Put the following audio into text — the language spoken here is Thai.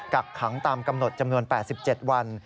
กักขังตามกำหนดจำนวน๘๗วัน